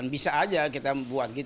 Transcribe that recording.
bisa saja kita buat